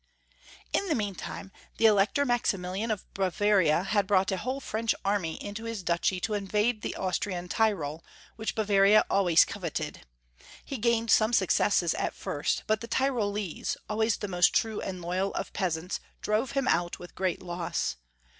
Leopold I. 876 In the meantime, the Elector Maximilian of Ba varia had brought a whole French army into his duchy to invade the Austrian Tyrol, wliich Bavaria always coveted. He gained some successes at first, but the Tyrolese, always the most true and loyal of peasants, drove him out with great loss.